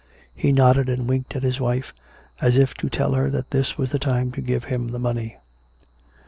(He nodded and winked at his wife, as if to tell her that this was the time to give him the money.)